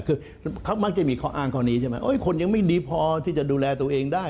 คือเขามักจะมีข้ออ้างข้อนี้ใช่ไหมคนยังไม่ดีพอที่จะดูแลตัวเองได้